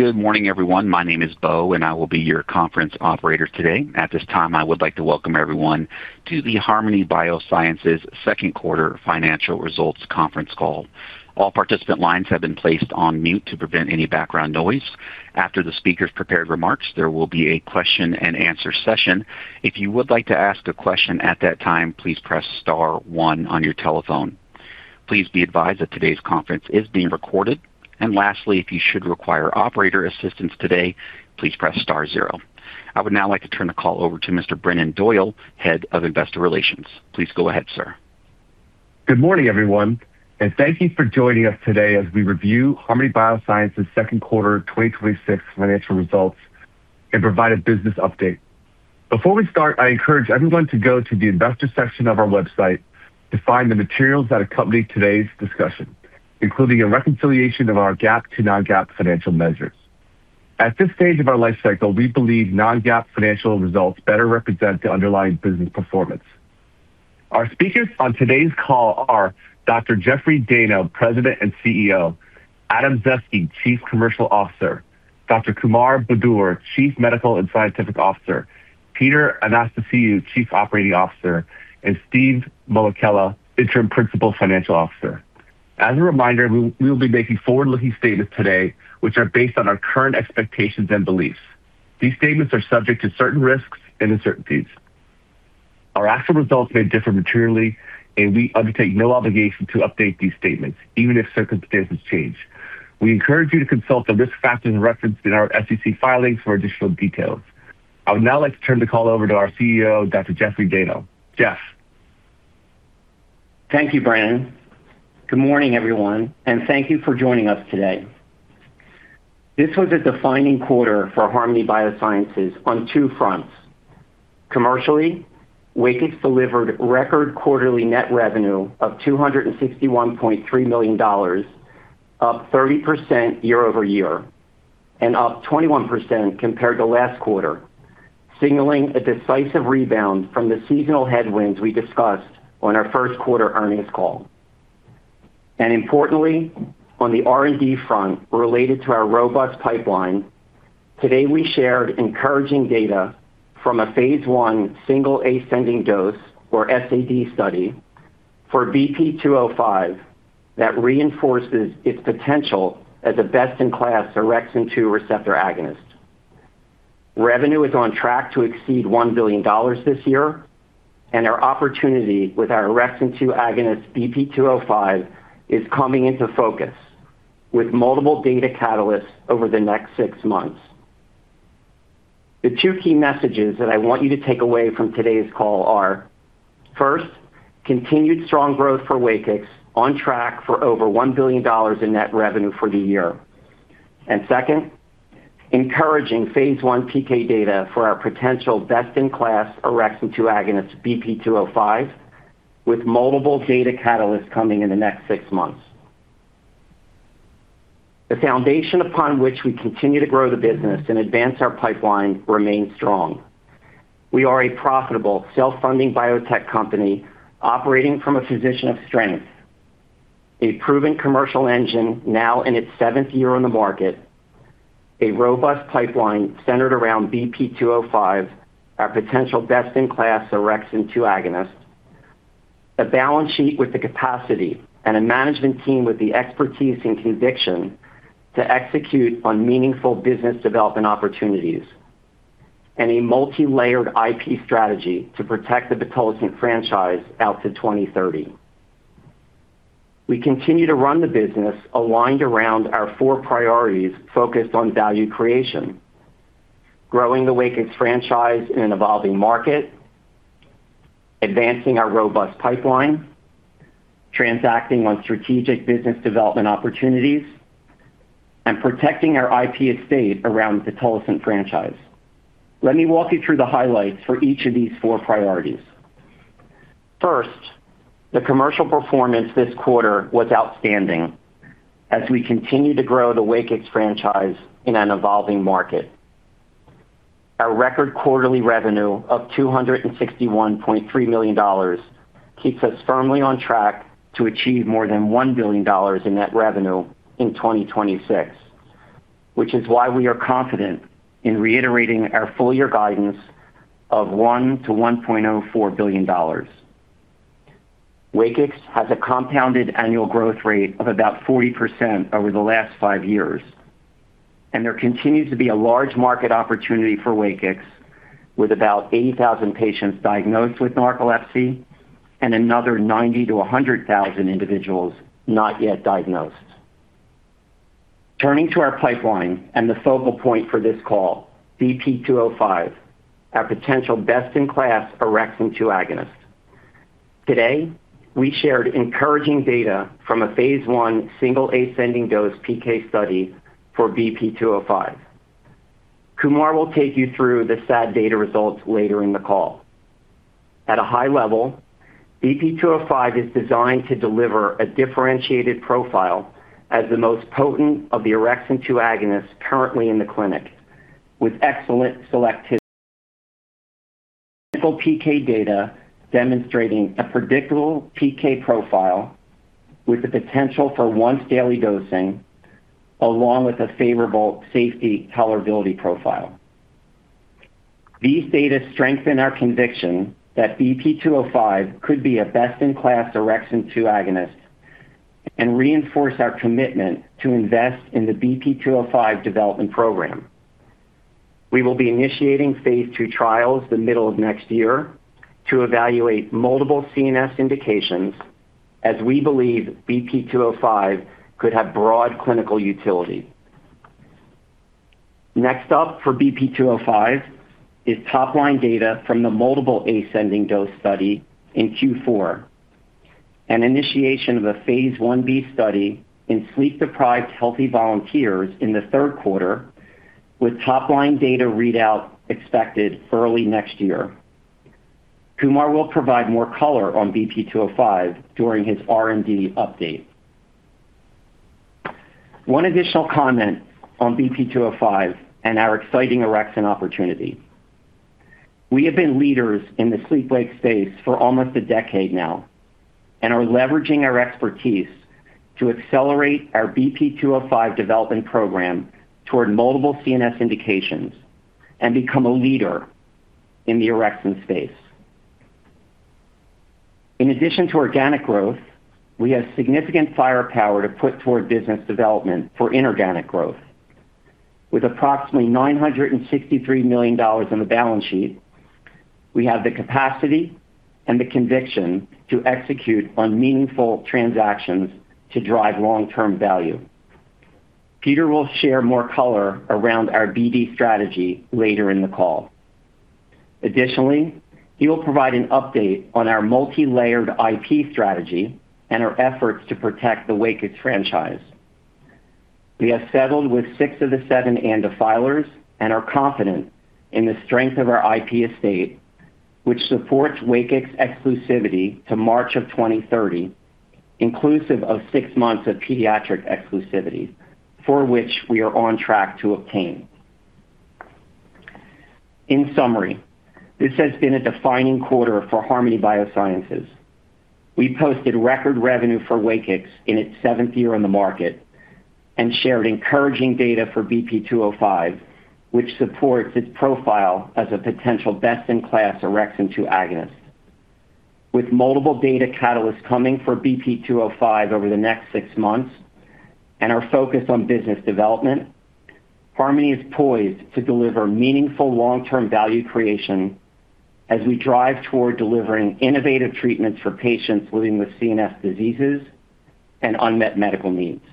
Good morning, everyone. My name is Bo, I will be your conference operator today. At this time, I would like to welcome everyone to the Harmony Biosciences Second Quarter Financial Results Conference Call. All participant lines have been placed on mute to prevent any background noise. After the speakers' prepared remarks, there will be a question and answer session. If you would like to ask a question at that time, please press star one on your telephone. Please be advised that today's conference is being recorded. Lastly, if you should require operator assistance today, please press star zero. I would now like to turn the call over to Mr. Brennan Doyle, Head of Investor Relations. Please go ahead, sir. Good morning, everyone, thank you for joining us today as we review Harmony Biosciences second quarter 2026 financial results and provide a business update. Before we start, I encourage everyone to go to the investor section of our website to find the materials that accompany today's discussion, including a reconciliation of our GAAP to non-GAAP financial measures. At this stage of our life cycle, we believe non-GAAP financial results better represent the underlying business performance. Our speakers on today's call are Dr. Jeffrey Dayno, President and CEO, Adam Zaeske, Chief Commercial Officer, Dr. Kumar Budur, Chief Medical and Scientific Officer, Peter Anastasiou, Chief Operating Officer, and Stephen Mollichella, Interim Principal Financial Officer. As a reminder, we will be making forward-looking statements today, which are based on our current expectations and beliefs. These statements are subject to certain risks and uncertainties. Our actual results may differ materially, we undertake no obligation to update these statements even if circumstances change. We encourage you to consult the risk factors referenced in our SEC filings for additional details. I would now like to turn the call over to our CEO, Dr. Jeffrey Dayno. Jeff. Thank you, Brennan. Good morning, everyone, thank you for joining us today. This was a defining quarter for Harmony Biosciences on two fronts. Commercially, WAKIX delivered record quarterly net revenue of $261.3 million, up 30% year-over-year, up 21% compared to last quarter, signaling a decisive rebound from the seasonal headwinds we discussed on our first quarter earnings call. Importantly, on the R&D front related to our robust pipeline, today we shared encouraging data from a phase I single ascending dose (SAD) study for BP-205 that reinforces its potential as a best-in-class orexin-2 receptor agonist. Revenue is on track to exceed $1 billion this year, our opportunity with our orexin-2 agonist BP-205 is coming into focus with multiple data catalysts over the next six months. The two key messages that I want you to take away from today's call are, first, continued strong growth for WAKIX on track for over $1 billion in net revenue for the year. Second, encouraging phase I PK data for our potential best-in-class orexin-2 agonist BP-205 with multiple data catalysts coming in the next six months. The foundation upon which we continue to grow the business and advance our pipeline remains strong. We are a profitable self-funding biotech company operating from a position of strength. A proven commercial engine now in its seventh year on the market. A robust pipeline centered around BP-205, our potential best-in-class orexin-2 agonist. A balance sheet with the capacity and a management team with the expertise and conviction to execute on meaningful business development opportunities. A multilayered IP strategy to protect the pitolisant franchise out to 2030. We continue to run the business aligned around our four priorities focused on value creation, growing the WAKIX franchise in an evolving market, advancing our robust pipeline, transacting on strategic business development opportunities, and protecting our IP estate around pitolisant franchise. Let me walk you through the highlights for each of these four priorities. First, the commercial performance this quarter was outstanding as we continue to grow the WAKIX franchise in an evolving market. Our record quarterly revenue of $261.3 million keeps us firmly on track to achieve more than $1 billion in net revenue in 2026, which is why we are confident in reiterating our full year guidance of $1 billion-$1.04 billion. WAKIX has a compounded annual growth rate of about 40% over the last five years. There continues to be a large market opportunity for WAKIX with about 80,000 patients diagnosed with narcolepsy and another 90,000-100,000 individuals not yet diagnosed. Turning to our pipeline and the focal point for this call, BP-205, our potential best-in-class orexin-2 agonist. Today, we shared encouraging data from a phase I single ascending dose PK study for BP-205. Kumar will take you through the SAD data results later in the call. At a high level, BP-205 is designed to deliver a differentiated profile as the most potent of the orexin-2 agonists currently in the clinic with excellent selectivity Clinical PK data demonstrating a predictable PK profile with the potential for once-daily dosing, along with a favorable safety tolerability profile. These data strengthen our conviction that BP-205 could be a best-in-class orexin-2 agonist and reinforce our commitment to invest in the BP-205 development program. We will be initiating phase II trials the middle of next year to evaluate multiple CNS indications as we believe BP-205 could have broad clinical utility. Next up for BP-205 is top-line data from the multiple ascending dose study in Q4. Initiation of a phase I-B study in sleep-deprived healthy volunteers in the third quarter with top-line data readout expected early next year. Kumar will provide more color on BP-205 during his R&D update. One additional comment on BP-205 and our exciting orexin opportunity. We have been leaders in the sleep-wake space for almost a decade now and are leveraging our expertise to accelerate our BP-205 development program toward multiple CNS indications and become a leader in the orexin space. In addition to organic growth, we have significant firepower to put toward business development for inorganic growth. With approximately $963 million on the balance sheet, we have the capacity and the conviction to execute on meaningful transactions to drive long-term value. Peter will share more color around our BD strategy later in the call. Additionally, he will provide an update on our multilayered IP strategy and our efforts to protect the WAKIX franchise. We have settled with six of the seven ANDA filers and are confident in the strength of our IP estate, which supports WAKIX exclusivity to March of 2030, inclusive of six months of pediatric exclusivity, for which we are on track to obtain. In summary, this has been a defining quarter for Harmony Biosciences. We posted record revenue for WAKIX in its seventh year on the market and shared encouraging data for BP-205, which supports its profile as a potential best-in-class orexin-2 agonist. With multiple data catalysts coming for BP-205 over the next six months and our focus on business development, Harmony is poised to deliver meaningful long-term value creation as we drive toward delivering innovative treatments for patients living with CNS diseases and unmet medical needs.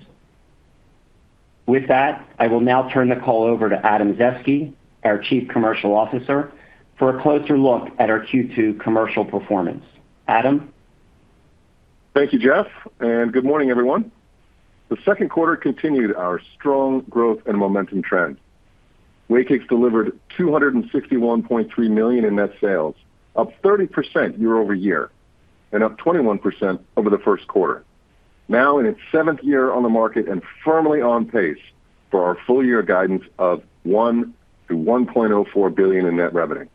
With that, I will now turn the call over to Adam Zaeske, our Chief Commercial Officer, for a closer look at our Q2 commercial performance. Adam? Thank you, Jeff, good morning, everyone. The second quarter continued our strong growth and momentum trend. WAKIX delivered $261.3 million in net sales, up 30% year-over-year, and up 21% over the first quarter. Now in its seventh year on the market and firmly on pace for our full year guidance of $1 billion-$1.04 billion in net revenue.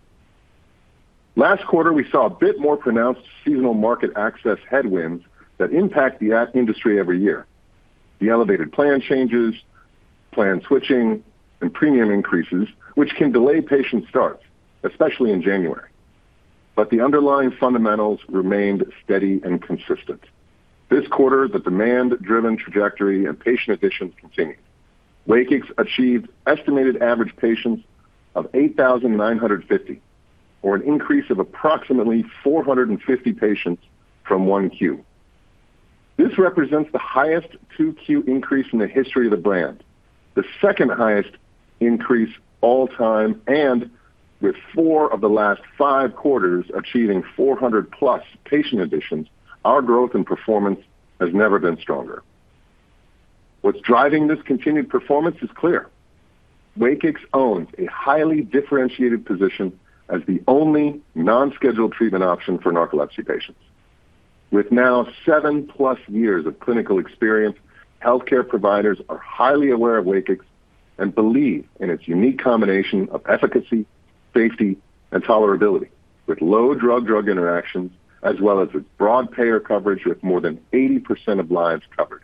Last quarter, we saw a bit more pronounced seasonal market access headwinds that impact the industry every year. The elevated plan changes, plan switching, and premium increases, which can delay patient starts, especially in January. The underlying fundamentals remained steady and consistent. This quarter, the demand-driven trajectory and patient additions continued. WAKIX achieved estimated average patients of 8,950, or an increase of approximately 450 patients from 1Q. This represents the highest 2Q increase in the history of the brand, the second highest increase all time, with four of the last five quarters achieving 400+ patient additions, our growth and performance has never been stronger. What's driving this continued performance is clear. WAKIX owns a highly differentiated position as the only non-scheduled treatment option for narcolepsy patients. With now seven plus years of clinical experience, healthcare providers are highly aware of WAKIX and believe in its unique combination of efficacy, safety, and tolerability with low drug-drug interactions, as well as with broad payer coverage, with more than 80% of lives covered.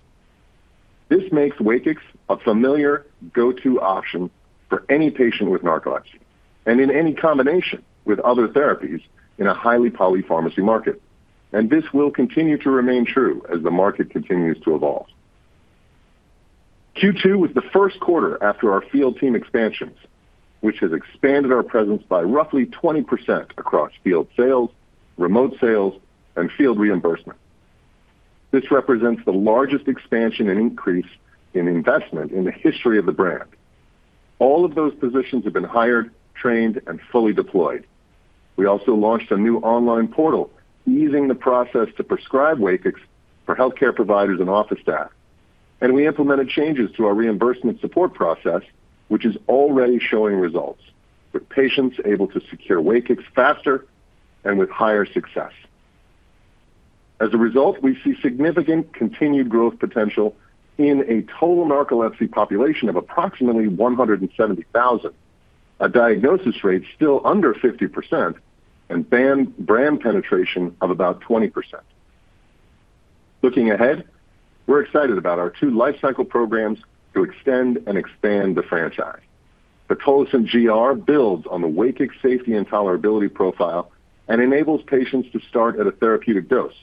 This makes WAKIX a familiar go-to option for any patient with narcolepsy and in any combination with other therapies in a highly polypharmacy market. This will continue to remain true as the market continues to evolve. Q2 was the first quarter after our field team expansions, which has expanded our presence by roughly 20% across field sales, remote sales, and field reimbursement. This represents the largest expansion and increase in investment in the history of the brand. All of those positions have been hired, trained, and fully deployed. We also launched a new online portal, easing the process to prescribe WAKIX for healthcare providers and office staff. We implemented changes to our reimbursement support process, which is already showing results, with patients able to secure WAKIX faster and with higher success. As a result, we see significant continued growth potential in a total narcolepsy population of approximately 170,000. A diagnosis rate still under 50% and brand penetration of about 20%. Looking ahead, we're excited about our two lifecycle programs to extend and expand the franchise. pitolisant GR builds on the WAKIX safety and tolerability profile and enables patients to start at a therapeutic dose.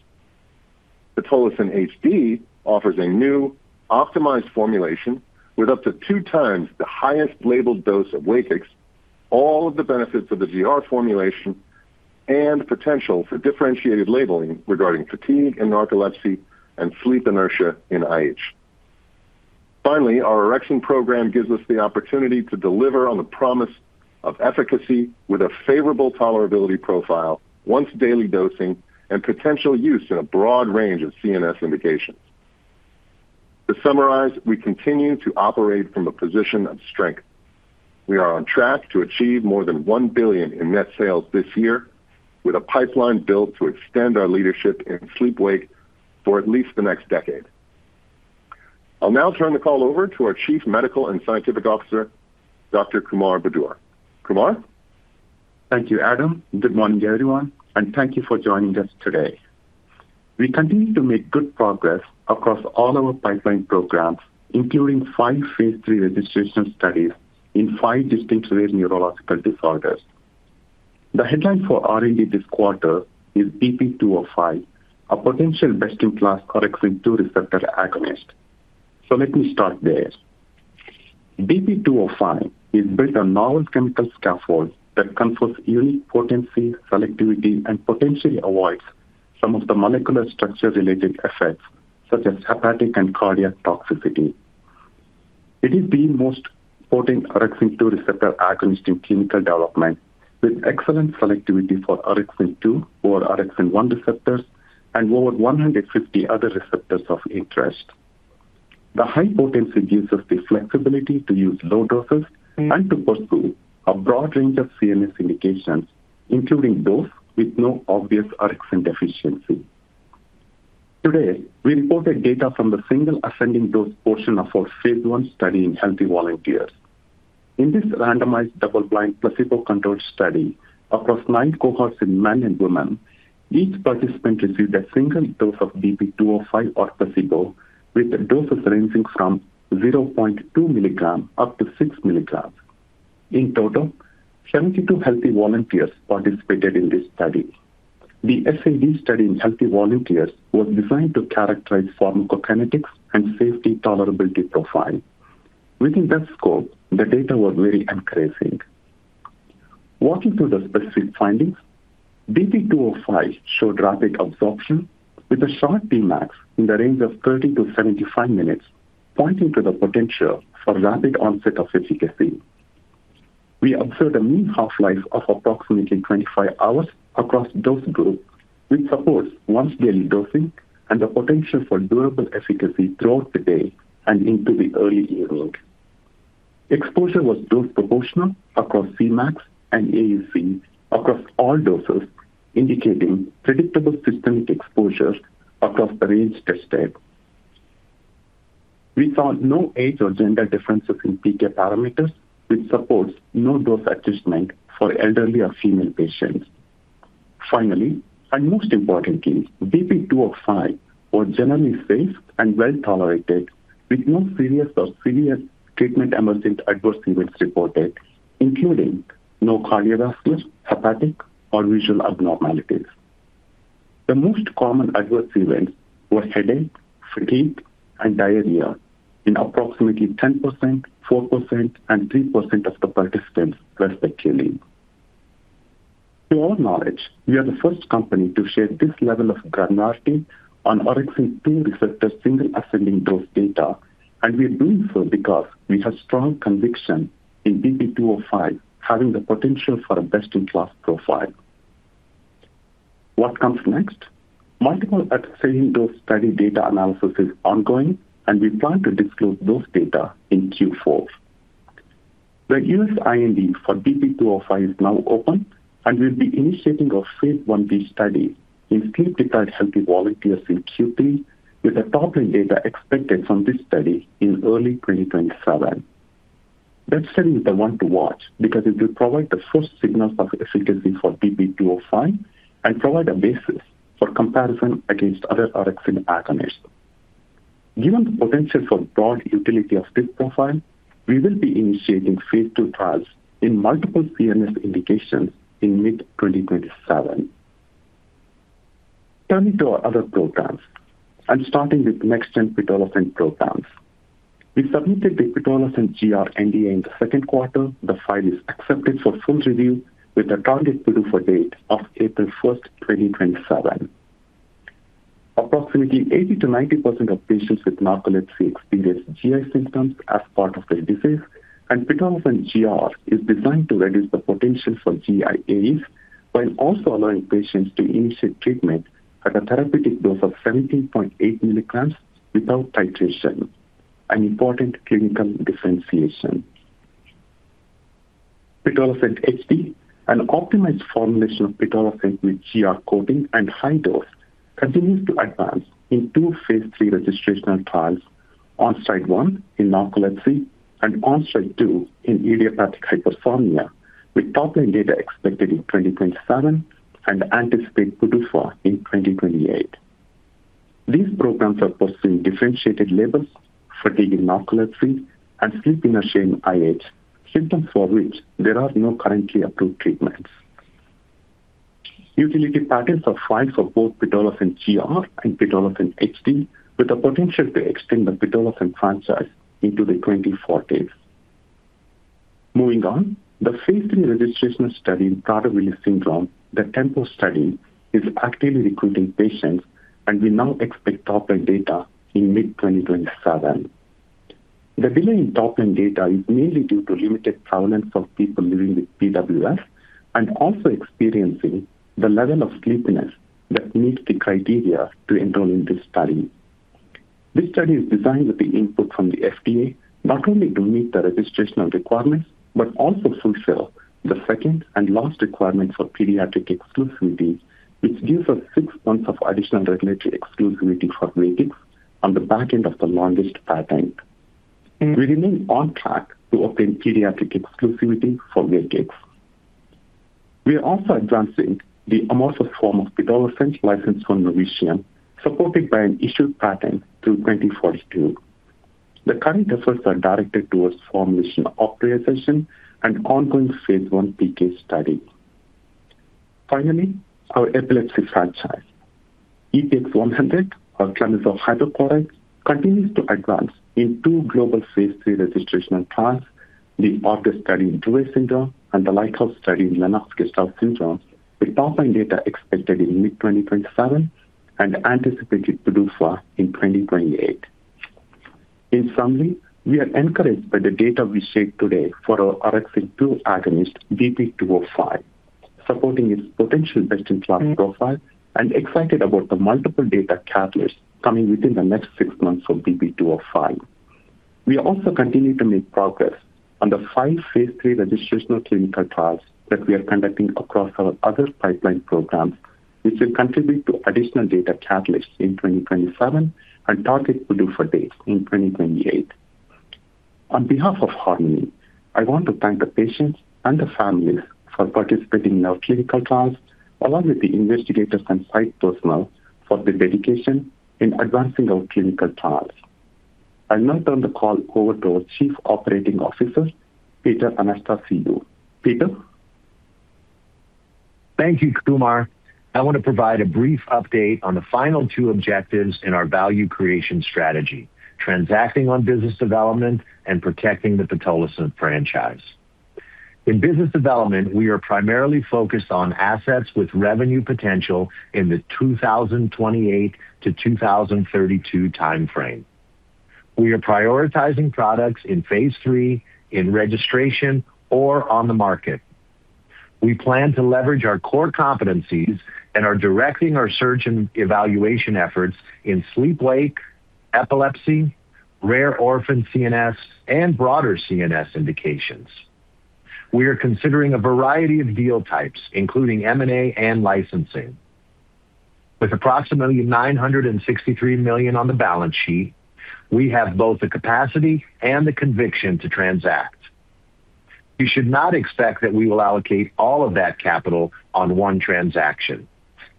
pitolisant HD offers a new optimized formulation with up to two times the highest labeled dose of WAKIX, all of the benefits of the GR formulation, and potential for differentiated labeling regarding fatigue in narcolepsy and sleep inertia in IH. Finally, our orexin program gives us the opportunity to deliver on the promise of efficacy with a favorable tolerability profile, once daily dosing, and potential use in a broad range of CNS indications. To summarize, we continue to operate from a position of strength. We are on track to achieve more than $1 billion in net sales this year, with a pipeline built to extend our leadership in sleep-wake for at least the next decade. I'll now turn the call over to our Chief Medical and Scientific Officer, Dr. Kumar Budur. Kumar? Thank you, Adam. Good morning, everyone, and thank you for joining us today. We continue to make good progress across all our pipeline programs, including five phase III registration studies in five distinct rare neurological disorders. The headline for R&D this quarter is BP-205, a potential best-in-class orexin-2 receptor agonist. Let me start there. BP-205 is built on novel chemical scaffold that confers unique potency, selectivity, and potentially avoids some of the molecular structure related effects such as hepatic and cardiac toxicity. It is the most potent orexin-2 receptor agonist in clinical development with excellent selectivity for orexin-2 over orexin-1 receptors and over 150 other receptors of interest. The high potency gives us the flexibility to use low doses and to pursue a broad range of CNS indications, including those with no obvious orexin deficiency. Today, we reported data from the single ascending dose portion of our phase I study in healthy volunteers. In this randomized, double-blind, placebo-controlled study across nine cohorts in men and women, each participant received a single dose of BP-205 or placebo with doses ranging from 0.2 mg up to 6 mg. In total, 72 healthy volunteers participated in this study. The SAD study in healthy volunteers was designed to characterize pharmacokinetics and safety tolerability profile. Within that scope, the data was very encouraging. Walking through the specific findings, BP-205 showed rapid absorption with a short Tmax in the range of 30-75 minutes, pointing to the potential for rapid onset of efficacy. We observed a mean half-life of approximately 25 hours across dose groups, which supports once daily dosing and the potential for durable efficacy throughout the day and into the early evening. Exposure was dose proportional across Cmax and AUC across all doses, indicating predictable systemic exposure across the range tested. We saw no age or gender differences in PK parameters, which supports no dose adjustment for elderly or female patients. Finally, most importantly, BP-205 was generally safe and well tolerated, with no serious or severe treatment-emergent adverse events reported, including no cardiovascular, hepatic, or visual abnormalities. The most common adverse events were headache, fatigue, and diarrhea in approximately 10%, 4% and 3% of the participants, respectively. To our knowledge, we are the first company to share this level of granularity on orexin-2 receptor single ascending dose data, and we are doing so because we have strong conviction in BP-205 having the potential for a best-in-class profile. What comes next? Multiple Ascending Dose study data analysis is ongoing, and we plan to disclose those data in Q4. The U.S. IND for BP-205 is now open, we'll be initiating our phase I-B study in sleep-deprived healthy volunteers in Q3, with the top-line data expected from this study in early 2027. That study is the one to watch because it will provide the first signals of efficacy for BP-205 and provide a basis for comparison against other orexin agonists. Given the potential for broad utility of this profile, we will be initiating phase II trials in multiple CNS indications in mid-2027. Turning to our other programs starting with next-gen pitolisant programs. We submitted the pitolisant GR NDA in the second quarter. The file is accepted for full review with a target PDUFA date of April 1st, 2027. Approximately 80%-90% of patients with narcolepsy experience GI symptoms as part of their disease, pitolisant GR is designed to reduce the potential for GI AEs, while also allowing patients to initiate treatment at a therapeutic dose of 17.8 mg without titration, an important clinical differentiation. Pitolisant HD, an optimized formulation of pitolisant with GR coating and high dose, continues to advance in two phase III registrational trials, ONSTRIDE-1 in narcolepsy and ONSTRIDE-2 in idiopathic hypersomnia, with top-line data expected in 2027 and anticipate PDUFA in 2028. These programs are pursuing differentiated labels, fatigue in narcolepsy and sleepiness in IH, symptoms for which there are no currently approved treatments. Utility patents are filed for both pitolisant GR and pitolisant HD, with the potential to extend the pitolisant franchise into the 2040s. Moving on. The phase III registrational study in Prader-Willi syndrome, the TEMPO study, is actively recruiting patients, we now expect top-line data in mid-2027. The delay in top-line data is mainly due to limited prevalence of people living with PWS and also experiencing the level of sleepiness that meets the criteria to enroll in this study. This study is designed with the input from the FDA, not only to meet the registrational requirements, also fulfill the second and last requirement for pediatric exclusivity, which gives us six months of additional regulatory exclusivity for WAKIX on the back end of the longest patent. We remain on track to obtain pediatric exclusivity for WAKIX. We are also advancing the amorphous form of pitolisant licensed from Novitium, supported by an issued patent through 2042. The current efforts are directed towards formulation optimization and ongoing phase I PK study. Finally, our epilepsy franchise. EPX-100, or clemizole hydrochloride, continues to advance in two global phase III registrational trials, the ARGUS study in Dravet Syndrome and the LIGHTHOUSE study in Lennox-Gastaut Syndrome, with top-line data expected in mid-2027 and anticipated PDUFA in 2028. In summary, we are encouraged by the data we shared today for our orexin-2 agonist, BP-205, supporting its potential best-in-class profile and excited about the multiple data catalysts coming within the next six months for BP-205. We also continue to make progress on the five phase III registrational clinical trials that we are conducting across our other pipeline programs, which will contribute to additional data catalysts in 2027 and target PDUFA date in 2028. On behalf of Harmony, I want to thank the patients and the families for participating in our clinical trials, along with the investigators and site personnel for their dedication in advancing our clinical trials. I'll now turn the call over to our Chief Operating Officer, Peter Anastasiou. Peter? Thank you, Kumar. I want to provide a brief update on the final two objectives in our value creation strategy, transacting on business development and protecting the pitolisant franchise. In business development, we are primarily focused on assets with revenue potential in the 2028 to 2032 timeframe. We are prioritizing products in phase III, in registration, or on the market. We plan to leverage our core competencies and are directing our search and evaluation efforts in sleep-wake, epilepsy, rare orphan CNS, and broader CNS indications. We are considering a variety of deal types, including M&A and licensing. With approximately $963 million on the balance sheet, we have both the capacity and the conviction to transact. You should not expect that we will allocate all of that capital on one transaction.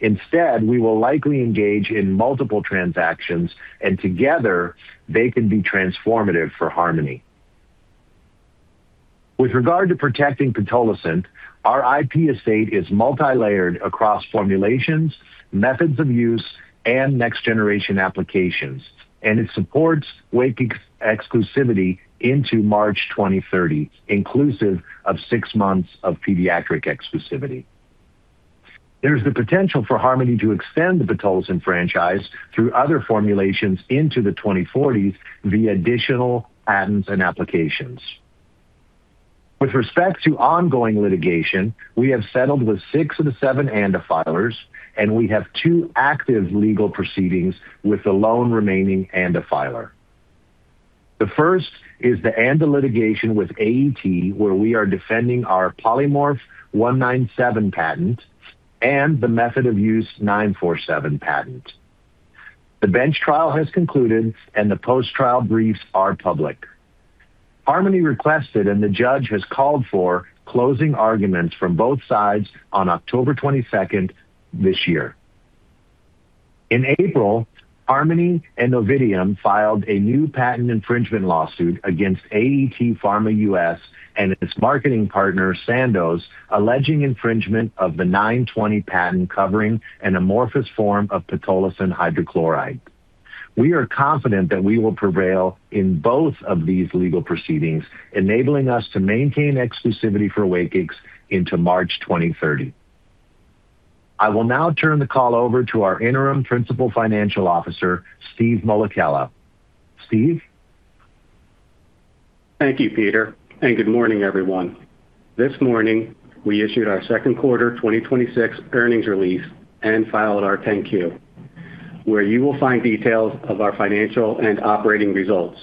Instead, we will likely engage in multiple transactions, and together they can be transformative for Harmony. With regard to protecting pitolisant, our IP estate is multilayered across formulations, methods of use, and next generation applications, and it supports WAKIX exclusivity into March 2030, inclusive of six months of pediatric exclusivity. There's the potential for Harmony to extend the pitolisant franchise through other formulations into the 2040s via additional patents and applications. With respect to ongoing litigation, we have settled with six of the seven ANDA filers, and we have two active legal proceedings with the lone remaining ANDA filer. The first is the ANDA litigation with AET, where we are defending our polymorph '197 patent and the method of use '947 patent. The bench trial has concluded, and the post-trial briefs are public. Harmony requested, and the judge has called for, closing arguments from both sides on October 22nd this year. In April, Harmony and Novitium filed a new patent infringement lawsuit against AET Pharma US and its marketing partner, Sandoz, alleging infringement of the '920 patent covering an amorphous form of pitolisant hydrochloride. We are confident that we will prevail in both of these legal proceedings, enabling us to maintain exclusivity for WAKIX into March 2030. I will now turn the call over to our interim principal financial officer, Stephen Mollichella. Steve? Thank you, Peter, and good morning, everyone. This morning, we issued our second quarter 2026 earnings release and filed our 10-Q Where you will find details of our financial and operating results.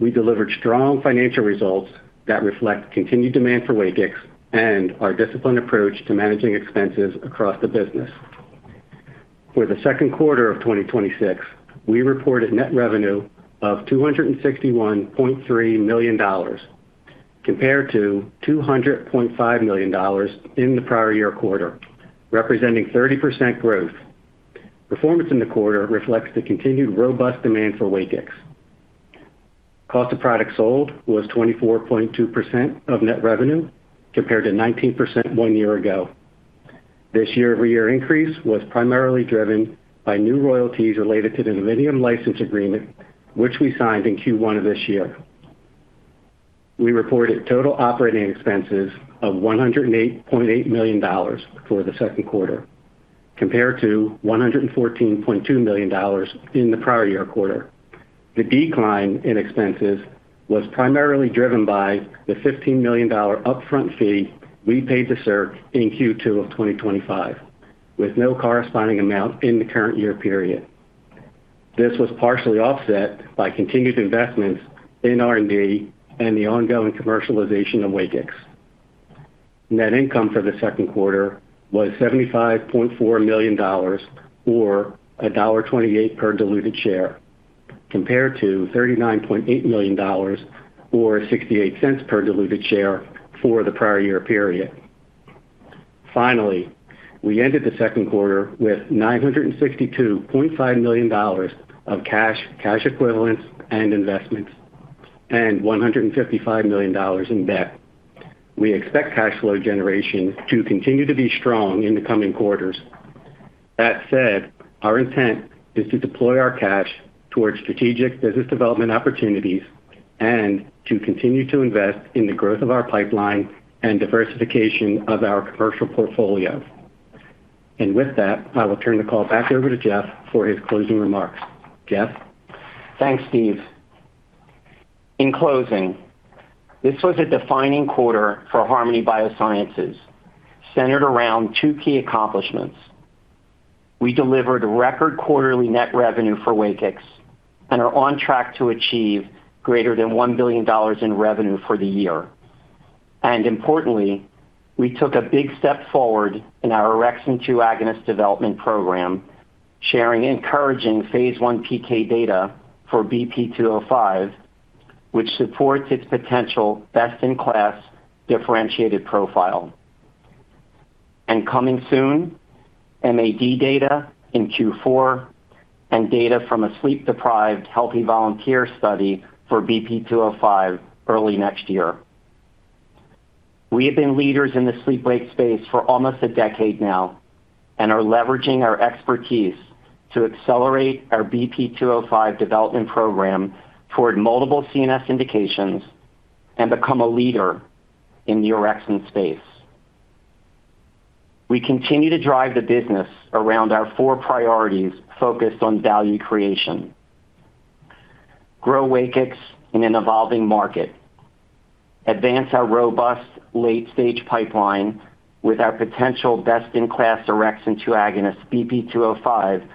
We delivered strong financial results that reflect continued demand for WAKIX and our disciplined approach to managing expenses across the business. For the second quarter of 2026, we reported net revenue of $261.3 million compared to $200.5 million in the prior year quarter, representing 30% growth. Performance in the quarter reflects the continued robust demand for WAKIX. Cost of products sold was 24.2% of net revenue, compared to 19% one year ago. This year-over-year increase was primarily driven by new royalties related to the Novitium license agreement, which we signed in Q1 of this year. We reported total operating expenses of $108.8 million for the second quarter, compared to $114.2 million in the prior year quarter. The decline in expenses was primarily driven by the $15 million upfront fee we paid to CIRC in Q2 of 2025, with no corresponding amount in the current year period. This was partially offset by continued investments in R&D and the ongoing commercialization of WAKIX. Net income for the second quarter was $75.4 million, or a $1.28 per diluted share, compared to $39.8 million or $0.68 per diluted share for the prior year period. Finally, we ended the second quarter with $962.5 million of cash equivalents, and investments, and $155 million in debt. We expect cash flow generation to continue to be strong in the coming quarters. That said, our intent is to deploy our cash towards strategic business development opportunities and to continue to invest in the growth of our pipeline and diversification of our commercial portfolio. With that, I will turn the call back over to Jeff for his closing remarks. Jeff? Thanks, Steve. In closing, this was a defining quarter for Harmony Biosciences, centered around two key accomplishments. We delivered record quarterly net revenue for WAKIX and are on track to achieve greater than $1 billion in revenue for the year. Importantly, we took a big step forward in our orexin-2 agonist development program, sharing encouraging phase I PK data for BP-205, which supports its potential best-in-class differentiated profile. Coming soon, MAD data in Q4 and data from a sleep-deprived healthy volunteer study for BP-205 early next year. We have been leaders in the sleep wake space for almost a decade now and are leveraging our expertise to accelerate our BP-205 development program toward multiple CNS indications and become a leader in the orexin space. We continue to drive the business around our four priorities focused on value creation, grow WAKIX in an evolving market, advance our robust late-stage pipeline with our potential best-in-class orexin-2 agonist, BP-205,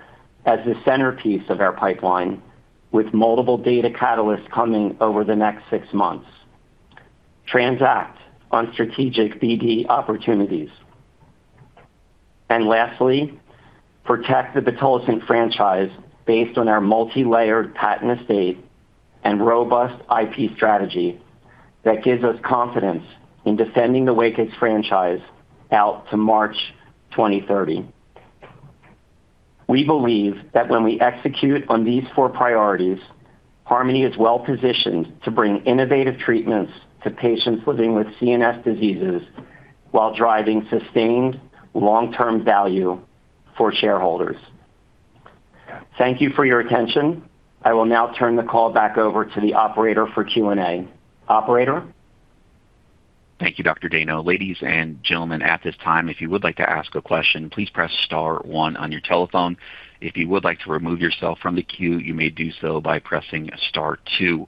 as the centerpiece of our pipeline with multiple data catalysts coming over the next six months. Transact on strategic BD opportunities and lastly, protect the pitolisant franchise based on our multilayered patent estate and robust IP strategy that gives us confidence in defending the WAKIX franchise out to March 2030. We believe that when we execute on these four priorities, Harmony is well-positioned to bring innovative treatments to patients living with CNS diseases while driving sustained long-term value for shareholders. Thank you for your attention. I will now turn the call back over to the operator for Q&A. Operator? Thank you, Dr. Dayno. Ladies and gentlemen, at this time, if you would like to ask a question, please press star one on your telephone. If you would like to remove yourself from the queue, you may do so by pressing star two.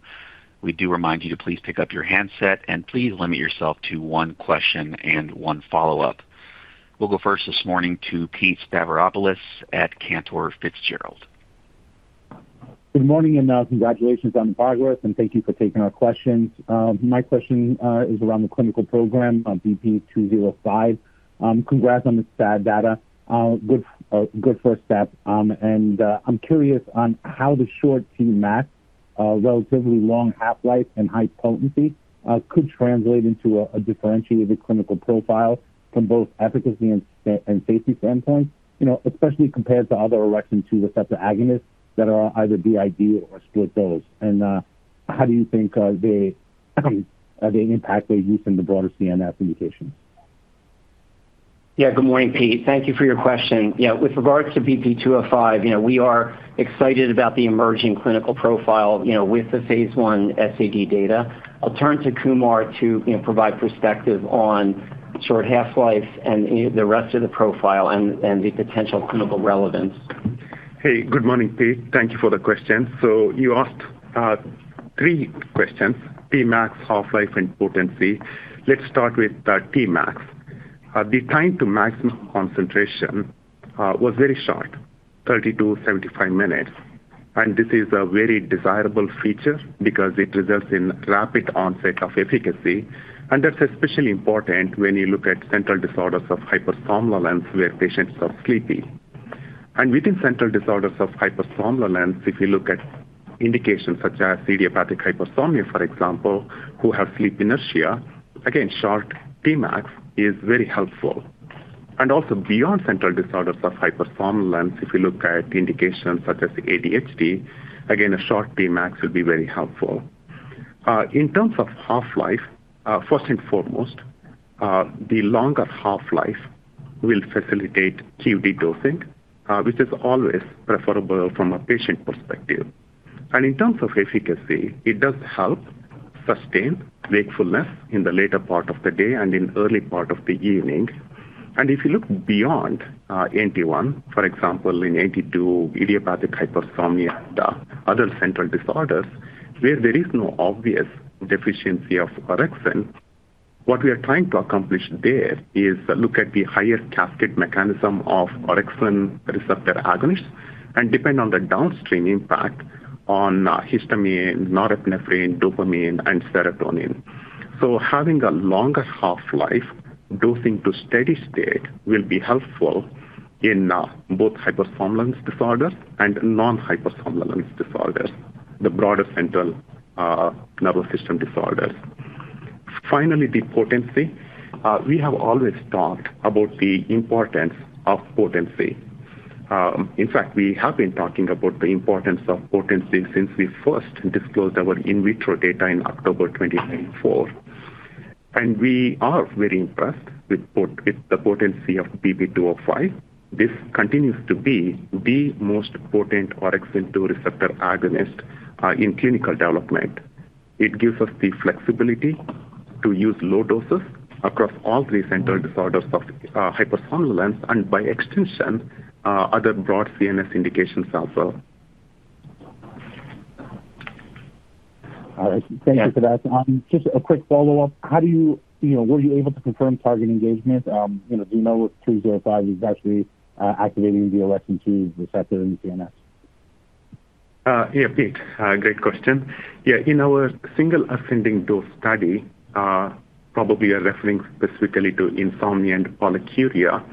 We do remind you to please pick up your handset and please limit yourself to one question and one follow-up. We'll go first this morning to Pete Stavropoulos at Cantor Fitzgerald. Good morning, congratulations on the progress, and thank you for taking our questions. My question is around the clinical program on BP-205. Congrats on the SAD data. Good first step. I'm curious on how the short Tmax, relatively long half-life and high potency could translate into a differentiated clinical profile from both efficacy and safety standpoint especially compared to other orexin-2 receptor agonists that are either BID or split dose. How do you think they impact the use in the broader CNS indication? Good morning, Pete. Thank you for your question. With regards to BP-205, we are excited about the emerging clinical profile with the phase I SAD data. I'll turn to Kumar to provide perspective on short half-life and the rest of the profile and the potential clinical relevance. Hey, good morning, Pete. Thank you for the question. You asked three questions, Tmax, half-life, and potency. Let's start with Tmax. The time to maximum concentration was very short, 30-75 minutes. This is a very desirable feature because it results in rapid onset of efficacy, and that's especially important when you look at central disorders of hypersomnolence where patients are sleepy. Within central disorders of hypersomnolence, if you look at indications such as idiopathic hypersomnia, for example, who have sleep inertia, again, short Tmax is very helpful. Also beyond central disorders of hypersomnolence, if you look at indications such as ADHD, again, a short Tmax will be very helpful. In terms of half-life, first and foremost, the longer half-life will facilitate QD dosing, which is always preferable from a patient perspective. In terms of efficacy, it does help sustain wakefulness in the later part of the day and in early part of the evening. If you look beyond NT1, for example, in NT2, idiopathic hypersomnia, and other central disorders where there is no obvious deficiency of orexin, what we are trying to accomplish there is look at the higher cascade mechanism of orexin receptor agonist and depend on the downstream impact on histamine, norepinephrine, dopamine, and serotonin. Having a longer half-life dosing to steady state will be helpful in both hypersomnolence disorders and non-hypersomnolence disorders, the broader central nervous system disorders. Finally, the potency. We have always talked about the importance of potency. In fact, we have been talking about the importance of potency since we first disclosed our in vitro data in October 2024. We are very impressed with the potency of BP-205. This continues to be the most potent orexin-2 receptor agonist in clinical development. It gives us the flexibility to use low doses across all three central disorders of hypersomnolence and, by extension, other broad CNS indications also. All right. Thank you for that. Just a quick follow-up. Were you able to confirm target engagement? Do you know if 205 is actually activating the OX2 receptor in the CNS? Yeah, Pete. Great question. In our single ascending dose study, probably you're referring specifically to insomnia and polyuria.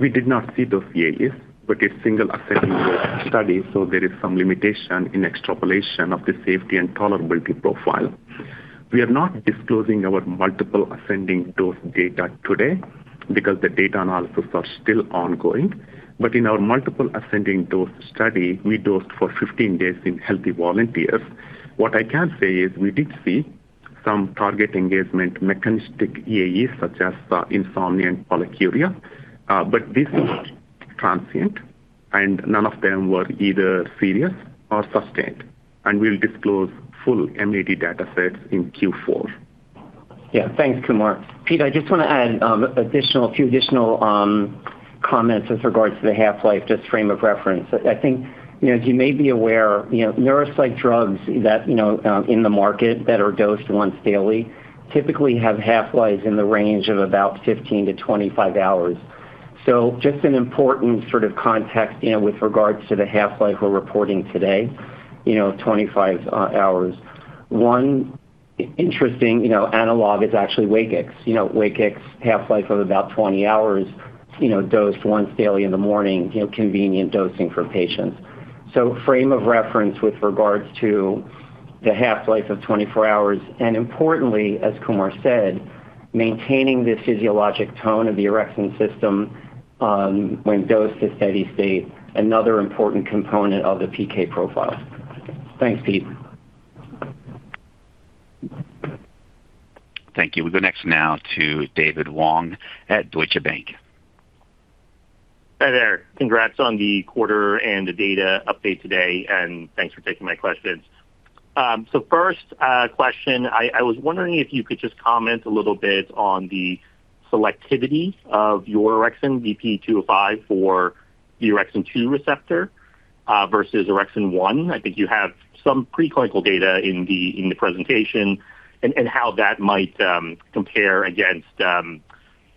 We did not see those AEs, but it's single ascending dose study, so there is some limitation in extrapolation of the safety and tolerability profile. We are not disclosing our multiple ascending dose data today because the data analysis are still ongoing. In our multiple ascending dose study, we dosed for 15 days in healthy volunteers. What I can say is we did see some target engagement mechanistic AEs such as insomnia and polyuria. This is transient and none of them were either serious or sustained, and we'll disclose full MAD data sets in Q4. Thanks, Kumar. Pete, I just want to add a few additional comments with regards to the half-life, just frame of reference. I think, as you may be aware, neuropsych drugs that in the market that are dosed once daily typically have half-lives in the range of about 15 to 25 hours. Just an important sort of context with regards to the half-life we're reporting today, 25 hours. One interesting analog is actually WAKIX. WAKIX half-life of about 20 hours, dosed once daily in the morning, convenient dosing for patients. Frame of reference with regards to the half-life of 24 hours, and importantly, as Kumar said, maintaining the physiologic tone of the orexin system when dosed to steady state, another important component of the PK profile. Thanks, Pete. Thank you. We'll go next now to David Wong at Deutsche Bank. Hi there. Congrats on the quarter and the data update today. Thanks for taking my questions. First question, I was wondering if you could just comment a little bit on the selectivity of your orexin, BP-205, for the orexin-2 receptor versus orexin-1. I think you have some preclinical data in the presentation and how that might compare against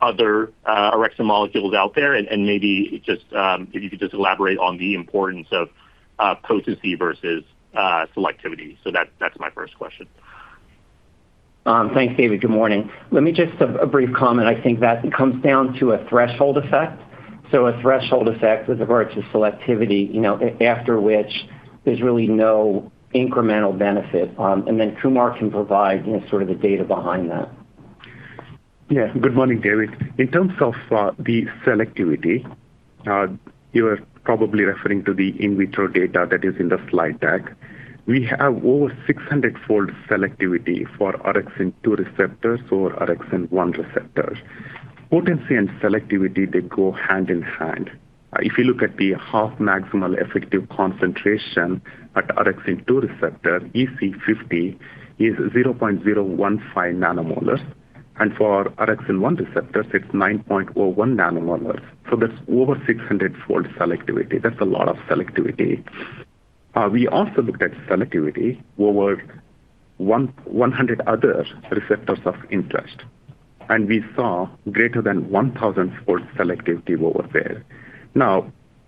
other orexin molecules out there and maybe if you could just elaborate on the importance of potency versus selectivity. That's my first question. Thanks, David. Good morning. Let me just, a brief comment. I think that comes down to a threshold effect. A threshold effect with regards to selectivity, after which there's really no incremental benefit. Kumar can provide sort of the data behind that. Yeah. Good morning, David. In terms of the selectivity, you are probably referring to the in vitro data that is in the slide deck. We have over 600-fold selectivity for orexin-2 receptors over orexin-1 receptors. Potency and selectivity, they go hand in hand. If you look at the half maximal effective concentration at orexin-2 receptor, EC50 is 0.015 nanomolar, and for orexin-1 receptors, it's 9.01 nanomolar. That's over 600-fold selectivity. That's a lot of selectivity. We also looked at selectivity over 100 other receptors of interest. We saw greater than 1,000-fold selectivity over there.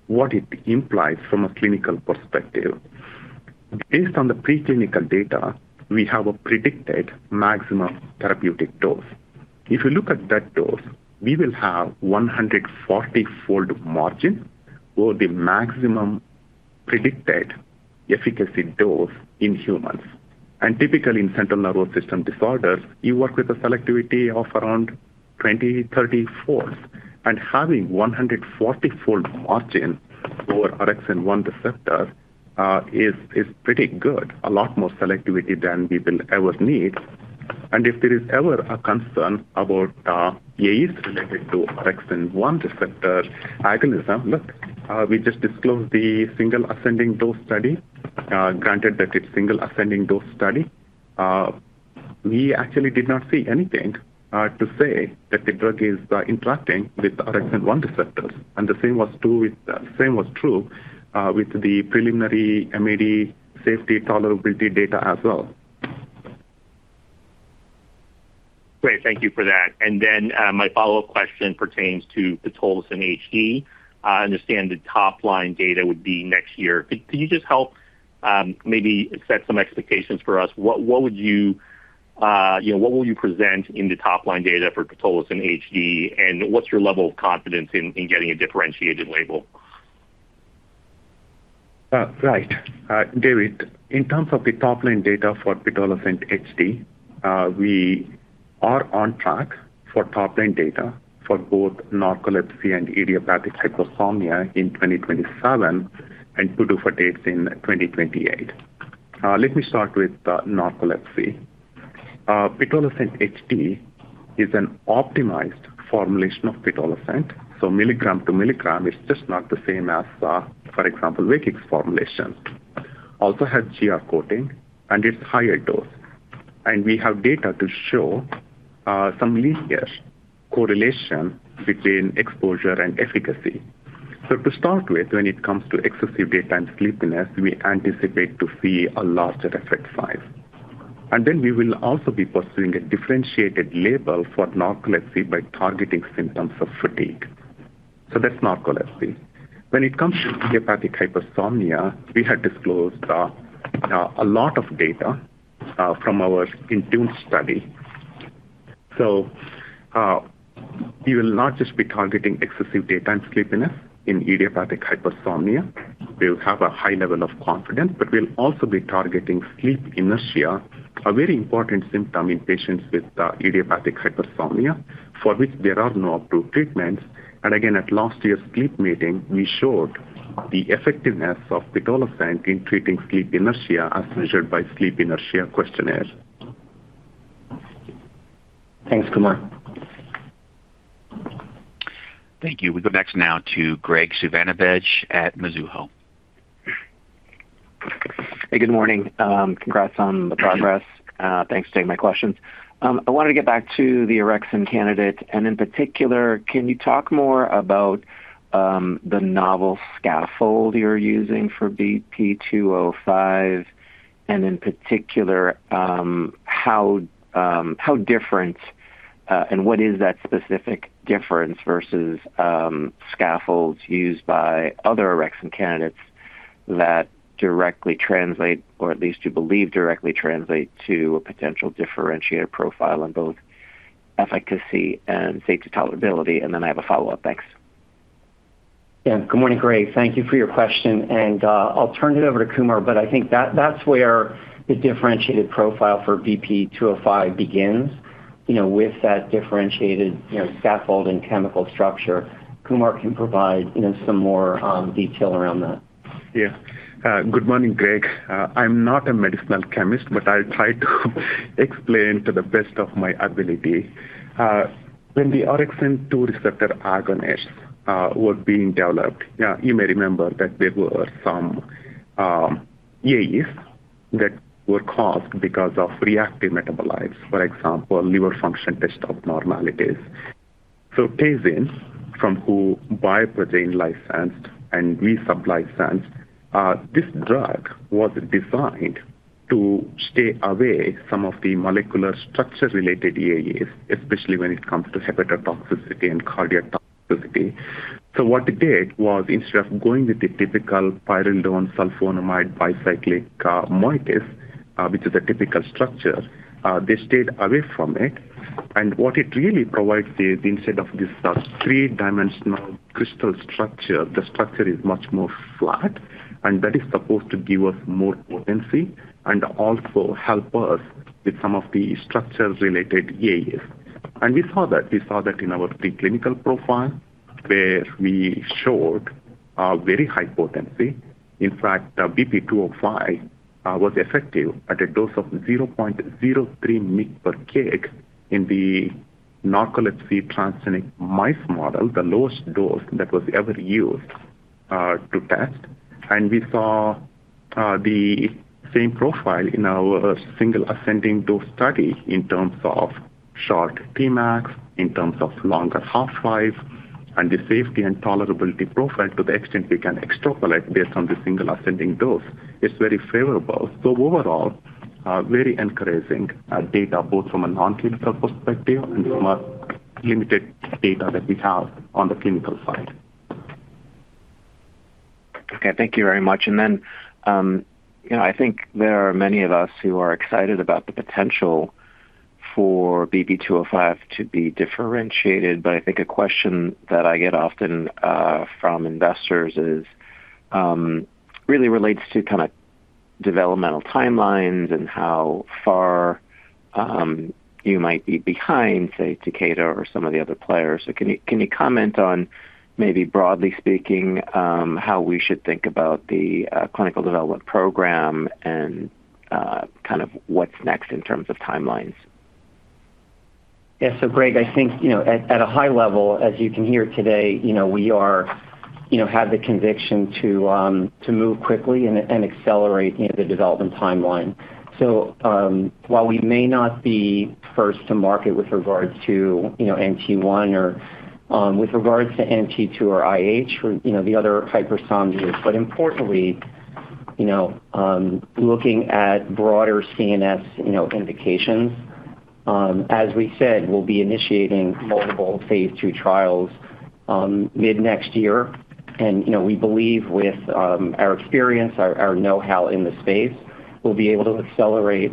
What it implies from a clinical perspective, based on the preclinical data, we have a predicted maximum therapeutic dose. If you look at that dose, we will have 140-fold margin over the maximum predicted efficacy dose in humans. Typically in central nervous system disorders, you work with a selectivity of around 20, 30 folds. Having 140-fold margin over orexin-1 receptor, is pretty good. A lot more selectivity than we will ever need. If there is ever a concern about AEs related to orexin-1 receptor agonism. Look, we just disclosed the single ascending dose study. Granted that it's single ascending dose study. We actually did not see anything to say that the drug is interacting with orexin-1 receptors. The same was true with the preliminary MAD safety tolerability data as well. Great. Thank you for that. Then, my follow-up question pertains to Pitolisant HD. I understand the top-line data would be next year. Could you just help maybe set some expectations for us? What will you present in the top-line data for Pitolisant HD, and what's your level of confidence in getting a differentiated label? Right. David, in terms of the top-line data for Pitolisant HD, we are on track for top-line data for both narcolepsy and idiopathic hypersomnia in 2027 and PDUFA dates in 2028. Let me start with narcolepsy. Pitolisant HD is an optimized formulation of pitolisant, so milligram to milligram is just not the same as, for example, WAKIX formulation. Also has GR coating and it's higher dose. We have data to show some linear correlation between exposure and efficacy. To start with, when it comes to excessive daytime sleepiness, we anticipate to see a larger effect size. Then we will also be pursuing a differentiated label for narcolepsy by targeting symptoms of fatigue. That's narcolepsy. When it comes to idiopathic hypersomnia, we had disclosed a lot of data from our INTUNE study. We will not just be targeting excessive daytime sleepiness in idiopathic hypersomnia. We'll have a high level of confidence, but we'll also be targeting sleep inertia, a very important symptom in patients with idiopathic hypersomnia for which there are no approved treatments. Again, at last year's sleep meeting, we showed the effectiveness of pitolisant in treating sleep inertia as measured by sleep inertia questionnaires. Thanks, Kumar. Thank you. We go next now to Graig Suvannavejh at Mizuho. Hey, good morning. Congrats on the progress. Thanks for taking my questions. I wanted to get back to the orexin candidate, and in particular, can you talk more about the novel scaffold you're using for BP-205 and in particular, how different and what is that specific difference versus scaffolds used by other orexin candidates that directly translate, or at least you believe directly translate to a potential differentiated profile on both efficacy and safety tolerability? Then I have a follow-up. Thanks. Yeah. Good morning, Graig. Thank you for your question. I'll turn it over to Kumar, but I think that's where the differentiated profile for BP-205 begins. With that differentiated scaffold and chemical structure. Kumar can provide some more detail around that. Yeah. Good morning, Graig. I'm not a medicinal chemist, I'll try to explain to the best of my ability. When the orexin-2 receptor agonists were being developed, you may remember that there were some AEs that were caused because of reactive metabolites, for example, liver function test abnormalities. Teijin, from who Bioprojet licensed and we sub-licensed, this drug was designed to stay away from some of the molecular structure related AEs, especially when it comes to hepatotoxicity and cardiotoxicity. What they did was instead of going with the typical pyrrolidone sulfonamide bicyclic moieties, which is a typical structure, they stayed away from it. What it really provides is instead of this three-dimensional crystal structure, the structure is much more flat, that is supposed to give us more potency and also help us with some of the structures related AEs. We saw that. We saw that in our preclinical profile where we showed very high potency. In fact, BP-205 was effective at a dose of 0.03 mg/kg in the narcolepsy transgenic mice model, the lowest dose that was ever used to test. We saw the same profile in our single ascending dose study in terms of short Tmax in terms of longer half-life, the safety and tolerability profile to the extent we can extrapolate based on the single ascending dose is very favorable. Overall, very encouraging data both from a non-clinical perspective and from a limited data that we have on the clinical side. Thank you very much. I think there are many of us who are excited about the potential for BP-205 to be differentiated, but I think a question that I get often from investors really relates to developmental timelines and how far you might be behind, say, Takeda or some of the other players. Can you comment on maybe broadly speaking how we should think about the clinical development program and what's next in terms of timelines? Graig, I think, at a high level, as you can hear today, we have the conviction to move quickly and accelerate the development timeline. While we may not be first to market with regards to NT1 or with regards to NT2 or IH, the other hypersomnias. Importantly looking at broader CNS indications as we said, we'll be initiating multiple phase II trials mid-next year. We believe with our experience, our know-how in the space, we'll be able to accelerate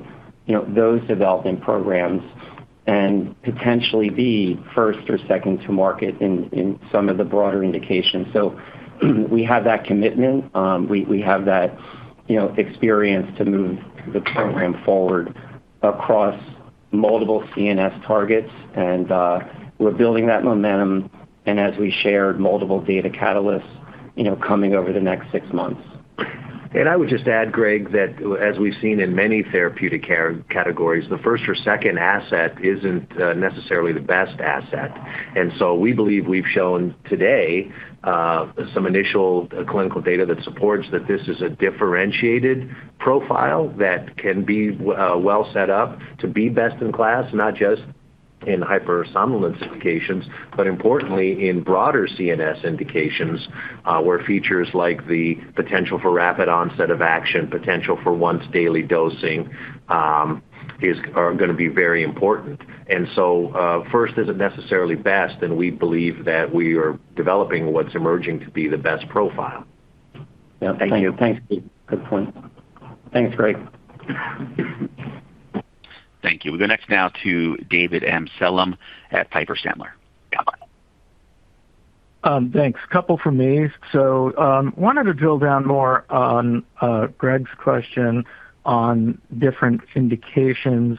those development programs and potentially be first or second to market in some of the broader indications. We have that commitment. We have that experience to move the program forward across multiple CNS targets and we're building that momentum and as we shared multiple data catalysts coming over the next six months. I would just add, Graig, that as we've seen in many therapeutic care categories, the first or second asset isn't necessarily the best asset. We believe we've shown today some initial clinical data that supports that this is a differentiated profile that can be well set up to be best in class, not just in hypersomnolence indications, but importantly in broader CNS indications where features like the potential for rapid onset of action, potential for once daily dosing are going to be very important. First isn't necessarily best, and we believe that we are developing what's emerging to be the best profile. Yeah. Thank you. Thanks, Pete. Good point. Thanks, Graig. Thank you. We go next now to David Amsellem at Piper Sandler. Thanks. Couple from me. Wanted to drill down more on Graig's question on different indications.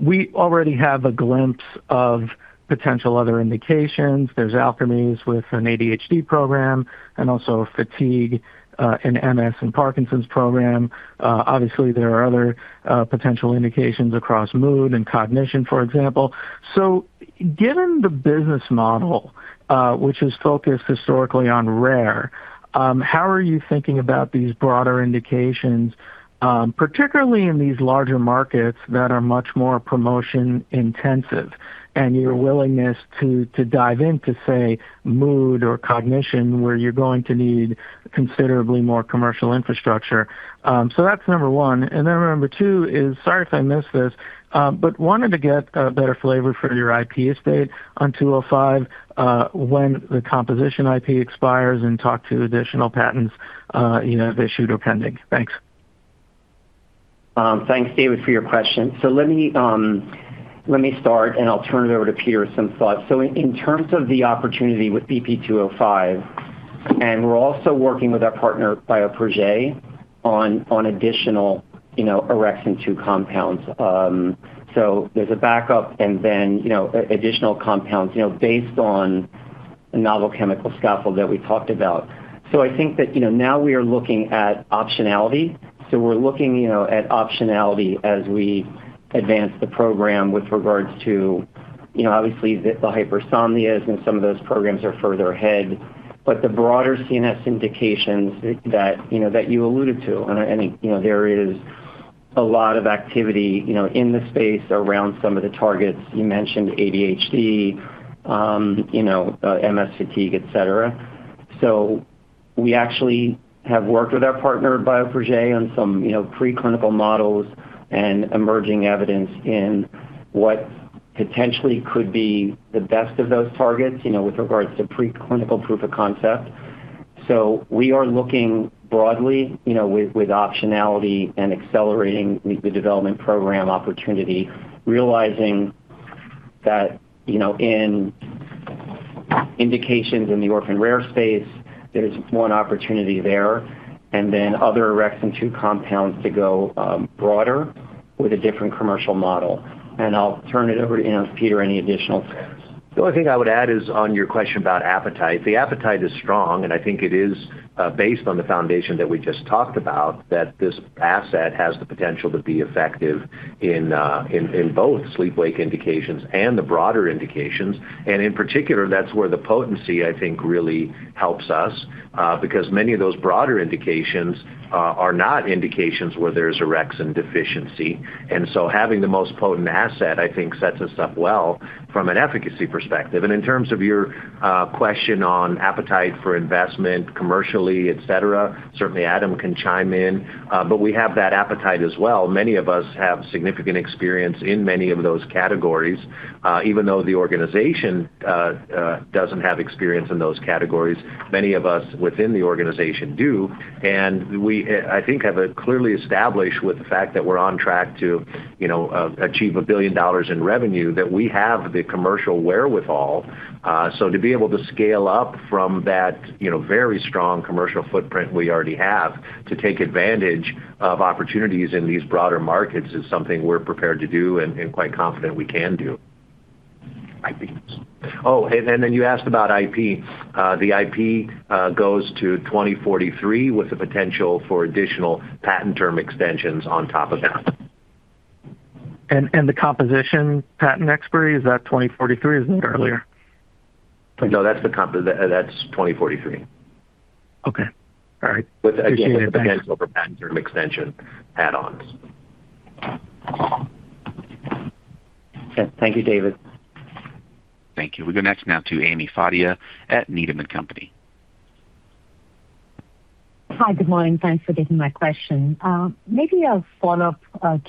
We already have a glimpse of potential other indications. There's Alkermes with an ADHD program and also a fatigue in MS and Parkinson's program. Obviously there are other potential indications across mood and cognition, for example. Given the business model, which is focused historically on rare, how are you thinking about these broader indications, particularly in these larger markets that are much more promotion intensive and your willingness to dive into, say, mood or cognition where you're going to need considerably more commercial infrastructure? That's number one. Number two is, sorry if I missed this, but wanted to get a better flavor for your IP estate on 205 when the composition IP expires and talk to additional patents that issued or pending. Thanks. Thanks, David, for your question. Let me start and I'll turn it over to Peter with some thoughts. In terms of the opportunity with BP-205, and we're also working with our partner, Bioprojet, on additional orexin-2 compounds. There's a backup and then additional compounds based on a novel chemical scaffold that we talked about. I think that now we are looking at optionality. We're looking at optionality as we advance the program with regards to obviously the hypersomnias and some of those programs are further ahead. The broader CNS indications that you alluded to and there is a lot of activity in the space around some of the targets you mentioned, ADHD, MS fatigue, et cetera. We actually have worked with our partner, Bioprojet, on some preclinical models and emerging evidence in what potentially could be the best of those targets with regards to preclinical proof of concept. We are looking broadly with optionality and accelerating the development program opportunity, realizing that in indications in the orphan rare space, there's one opportunity there, and then other orexin-2 compounds to go broader with a different commercial model. I'll turn it over to Peter, any additional comments. The only thing I would add is on your question about appetite. The appetite is strong, and I think it is based on the foundation that we just talked about, that this asset has the potential to be effective in both sleep-wake indications and the broader indications. In particular, that's where the potency, I think, really helps us. Because many of those broader indications are not indications where there's orexin deficiency. Having the most potent asset, I think, sets us up well from an efficacy perspective. In terms of your question on appetite for investment commercially, et cetera, certainly Adam can chime in, but we have that appetite as well. Many of us have significant experience in many of those categories. Even though the organization doesn't have experience in those categories, many of us within the organization do. We, I think, have it clearly established with the fact that we're on track to achieve a billion dollars in revenue, that we have the commercial wherewithal. To be able to scale up from that very strong commercial footprint we already have to take advantage of opportunities in these broader markets is something we're prepared to do and quite confident we can do. IP. You asked about IP. The IP goes to 2043 with the potential for additional patent term extensions on top of that. The composition patent expiry, is that 2043? Isn't it earlier? No, that's 2043. Okay. All right. Appreciate it. Thanks. With, again, the potential for patent term extension add-ons. Okay. Thank you, David. Thank you. We go next now to Ami Fadia at Needham & Company. Hi. Good morning. Thanks for taking my question. Maybe a follow-up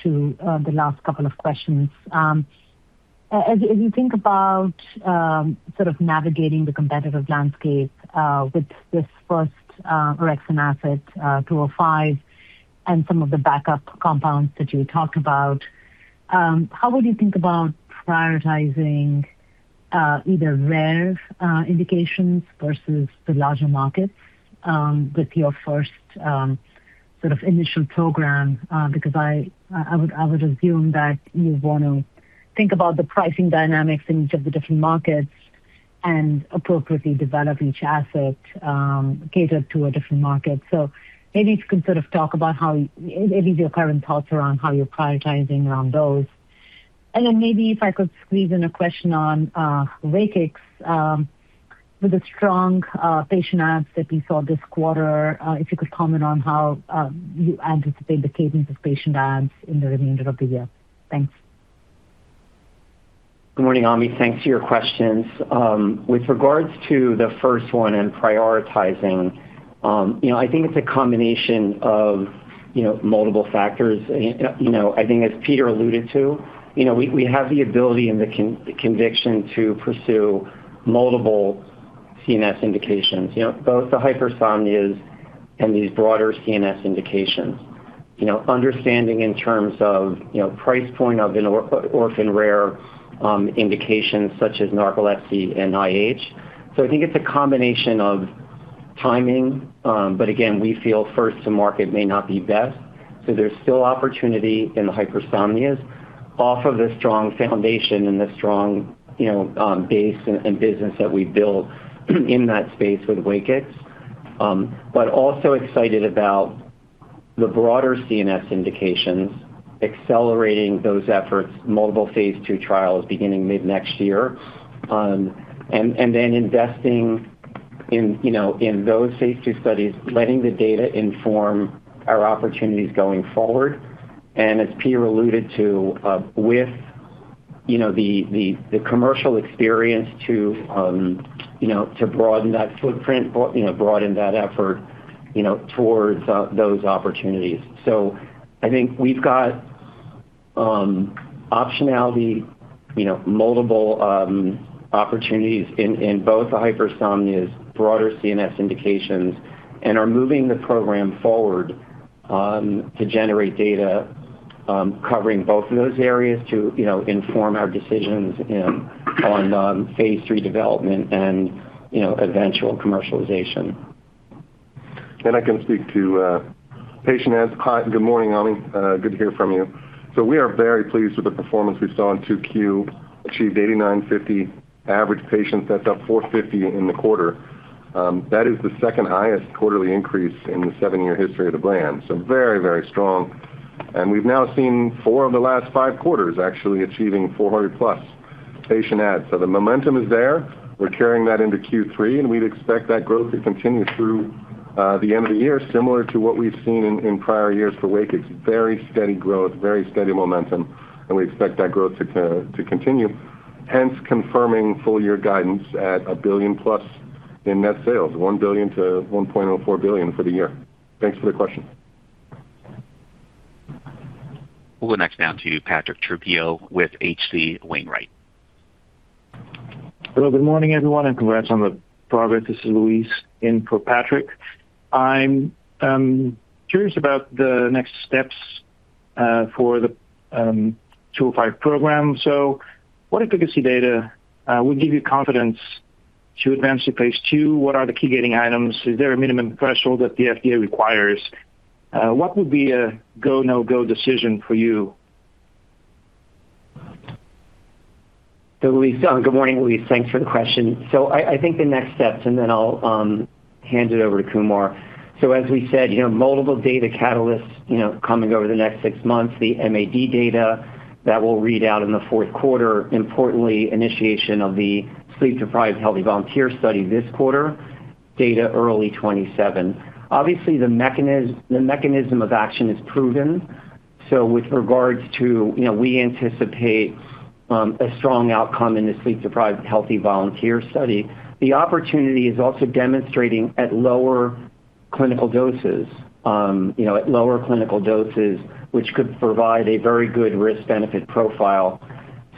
to the last couple of questions. As you think about sort of navigating the competitive landscape with this first orexin asset, 205, and some of the backup compounds that you talked about, how would you think about prioritizing either rare indications versus the larger markets with your first sort of initial program? Because I would assume that you'd want to think about the pricing dynamics in each of the different markets and appropriately develop each asset catered to a different market. Maybe if you could sort of talk about maybe your current thoughts around how you're prioritizing around those. Maybe if I could squeeze in a question on WAKIX. With the strong patient adds that we saw this quarter, if you could comment on how you anticipate the cadence of patient adds in the remainder of the year. Thanks. Good morning, Ami. Thanks for your questions. With regards to the first one and prioritizing, it's a combination of multiple factors. As Peter alluded to, we have the ability and the conviction to pursue multiple CNS indications, both the hypersomnias and these broader CNS indications. Understanding in terms of price point of an orphan rare indication such as narcolepsy and IH. It's a combination of timing. Again, we feel first to market may not be best, there's still opportunity in the hypersomnias off of the strong foundation and the strong base and business that we built in that space with WAKIX. Also excited about the broader CNS indications, accelerating those efforts, multiple phase II trials beginning mid-next year. Investing in those phase II studies, letting the data inform our opportunities going forward. As Peter alluded to, with the commercial experience to broaden that footprint, broaden that effort towards those opportunities. We've got optionality, multiple opportunities in both the hypersomnias, broader CNS indications. Are moving the program forward to generate data covering both of those areas to inform our decisions on phase III development and eventual commercialization. I can speak to patient adds. Good morning, Ami. Good to hear from you. We are very pleased with the performance we saw in 2Q. Achieved 8,950 average patients. That's up 450 in the quarter. That is the second highest quarterly increase in the seven-year history of the brand. Very strong. We've now seen four of the last five quarters actually achieving 400+ patient adds. The momentum is there. We're carrying that into Q3, and we'd expect that growth to continue through the end of the year, similar to what we've seen in prior years for WAKIX. Very steady growth, very steady momentum, we expect that growth to continue, hence confirming full year guidance at a billion-plus in net sales. $1 billion-$1.04 billion for the year. Thanks for the question. We'll go next now to Patrick Trucchio with H.C. Wainwright. Hello, good morning, everyone, and congrats on the progress. This is Luis in for Patrick. I'm curious about the next steps for the BP-205 program. What efficacy data would give you confidence to advance to phase II? What are the key gating items? Is there a minimum threshold that the FDA requires? What would be a go, no-go decision for you? Good morning, Luis. Thanks for the question. I think the next steps, and then I'll hand it over to Kumar. As we said, multiple data catalysts coming over the next six months. The MAD data that will read out in Q4, importantly, initiation of the sleep-deprived healthy volunteer study this quarter, data early 2027. Obviously, the mechanism of action is proven. We anticipate a strong outcome in the sleep-deprived healthy volunteer study. The opportunity is also demonstrating at lower clinical doses, which could provide a very good risk-benefit profile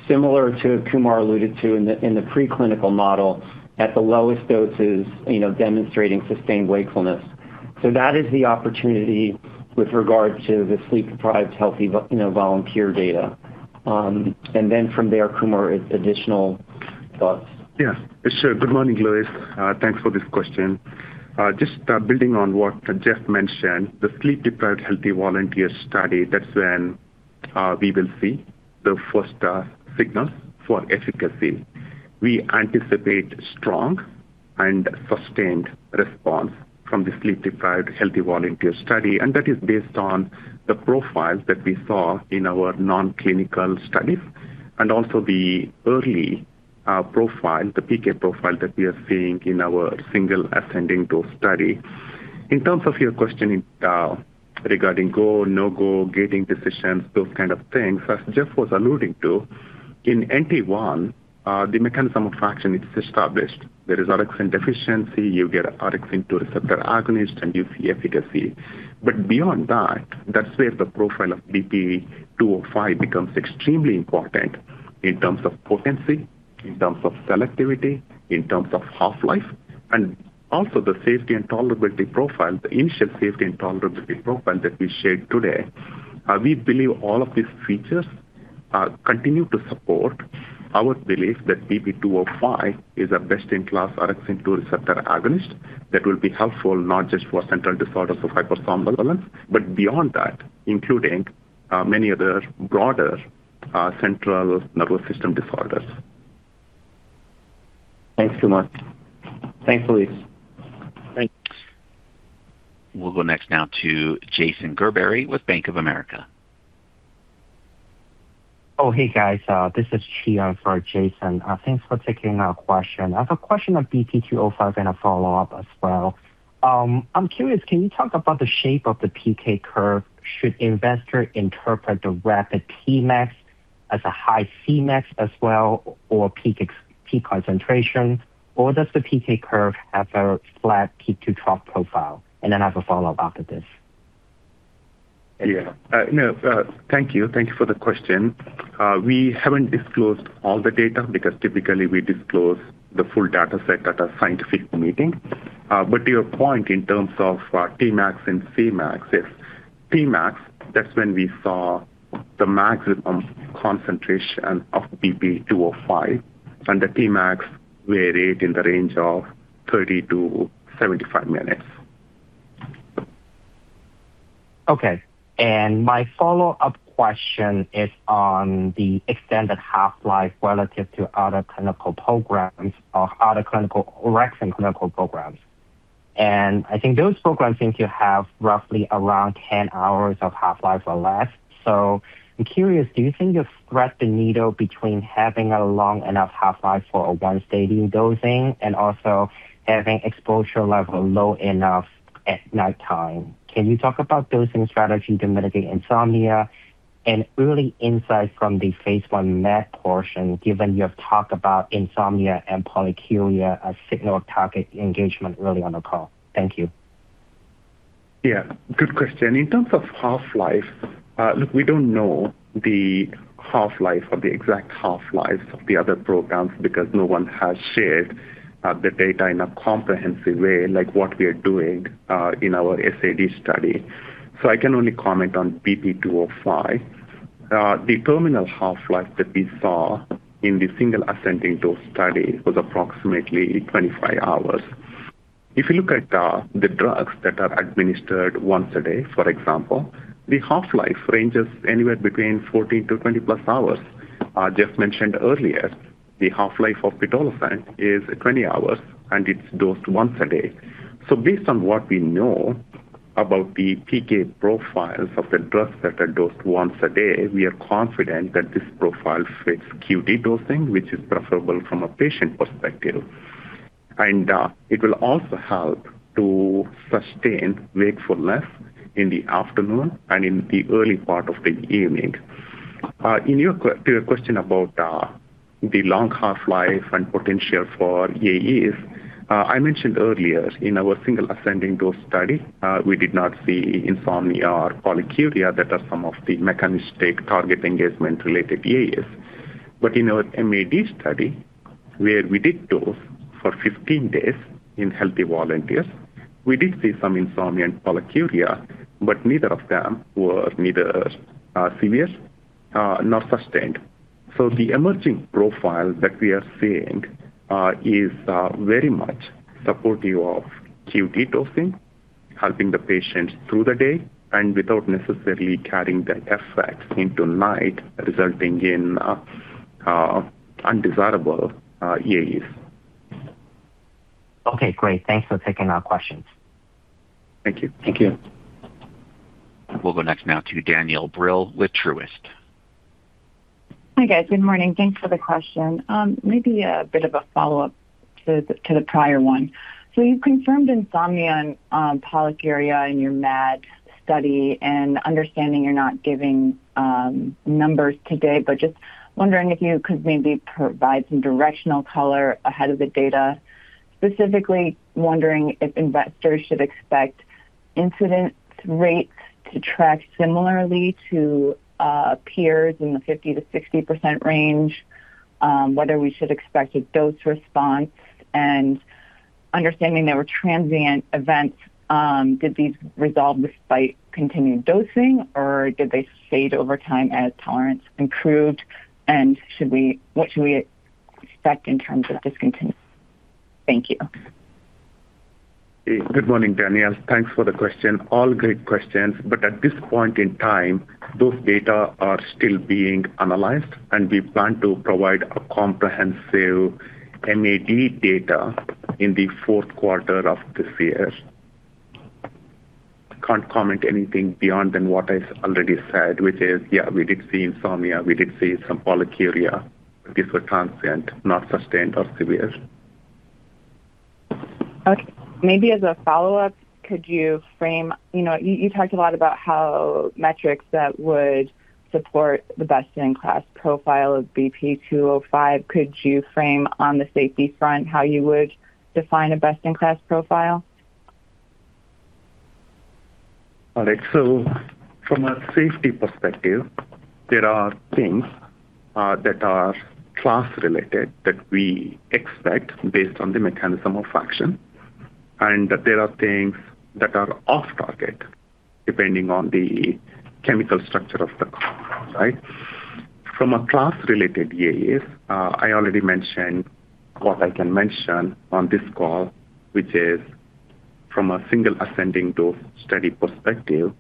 similar to, Kumar alluded to in the preclinical model, at the lowest doses demonstrating sustained wakefulness. That is the opportunity with regard to the sleep-deprived healthy volunteer data. Then from there, Kumar, additional thoughts. Sure. Good morning, Luis. Thanks for this question. Just building on what Jeff mentioned, the sleep-deprived healthy volunteer study, that's when we will see the first signals for efficacy. We anticipate strong and sustained response from the sleep-deprived healthy volunteer study, that is based on the profiles that we saw in our non-clinical studies and also the early profile, the PK profile that we are seeing in our single ascending dose study. In terms of your question regarding go, no-go gating decisions, those kind of things, as Jeff was alluding to, in NT-1, the mechanism of action is established. There is orexin deficiency. You get orexin-2 receptor agonist and you see efficacy. Beyond that's where the profile of BP-205 becomes extremely important in terms of potency, in terms of selectivity, in terms of half-life, and also the safety and tolerability profile, the initial safety and tolerability profile that we shared today. We believe all of these features continue to support our belief that BP-205 is a best-in-class orexin-2 receptor agonist that will be helpful not just for central disorders of hypersomnolence, but beyond that, including many other broader central nervous system disorders. Thanks, Kumar. Thanks, Luis. Thanks. We'll go next now to Jason Gerberry with Bank of America. Oh, hey, guys. This is for Jason. Thanks for taking our question. I have a question on BP-205 and a follow-up as well. I'm curious, can you talk about the shape of the PK curve? Should investor interpret the rapid Tmax as a high Cmax as well, or peak concentration? Or does the PK curve have a flat peak to trough profile? I have a follow-up after this. Yeah. Thank you. Thank you for the question. We haven't disclosed all the data because typically we disclose the full data set at our scientific meeting. To your point in terms of Tmax and Cmax is Tmax, that's when we saw the maximum concentration of BP-205 and the Tmax varied in the range of 30-75 minutes. My follow-up question is on the extended half-life relative to other clinical programs or other orexin clinical programs. I think those programs seem to have roughly around 10 hours of half-life or less. I am curious, do you think you've thread the needle between having a long enough half-life for a once-a-day dosing and also having exposure level low enough at nighttime? Can you talk about dosing strategy to mitigate insomnia and early insight from the phase I MAD portion, given you have talked about insomnia and polyuria as signal target engagement early on the call? Thank you. Yeah. Good question. In terms of half-life, look, we do not know the exact half-life of the other programs because no one has shared the data in a comprehensive way like what we are doing in our SAD study. I can only comment on BP-205. The terminal half-life that we saw in the single ascending dose study was approximately 25 hours. If you look at the drugs that are administered once a day, for example, the half-life ranges anywhere between 14 to 20+ hours. Jeff mentioned earlier the half-life of pitolisant is 20 hours, and it is dosed once a day. Based on what we know about the PK profiles of the drugs that are dosed once a day, we are confident that this profile fits QD dosing, which is preferable from a patient perspective. It will also help to sustain wakefulness in the afternoon and in the early part of the evening. To your question about the long half-life and potential for AEs, I mentioned earlier in our single ascending dose study, we did not see insomnia or polyuria that are some of the mechanistic target engagement-related AEs. In our MAD study where we did dose for 15 days in healthy volunteers, we did see some insomnia and polyuria, but neither of them were neither serious nor sustained. The emerging profile that we are seeing is very much supportive of QD dosing, helping the patient through the day, and without necessarily carrying the effects into night, resulting in undesirable AE. Okay, great. Thanks for taking our questions. Thank you. Thank you. We'll go next now to Danielle Brill with Truist. Hi, guys. Good morning. Thanks for the question. Maybe a bit of a follow-up to the prior one. You've confirmed insomnia and polyuria in your MAD study and understanding you're not giving numbers today, but just wondering if you could maybe provide some directional color ahead of the data. Specifically, wondering if investors should expect incident rates to track similarly to peers in the 50%-60% range, whether we should expect a dose response and understanding there were transient events, did these resolve despite continued dosing, or did they fade over time as tolerance improved? And what should we expect in terms of discontinuation? Thank you. Good morning, Danielle. Thanks for the question. All great questions. At this point in time, those data are still being analyzed, and we plan to provide a comprehensive MAD data in the fourth quarter of this year. I can't comment anything beyond than what I already said, which is, yeah, we did see insomnia. We did see some polyuria. These were transient, not sustained or severe. Okay. Maybe as a follow-up, you talked a lot about how metrics that would support the best-in-class profile of BP-205, could you frame on the safety front how you would define a best-in-class profile? All right. From a safety perspective, there are things that are class-related that we expect based on the mechanism of action, and that there are things that are off target depending on the chemical structure of the compound. From a class-related AE, I already mentioned what I can mention on this call, which is from a single ascending dose study perspective,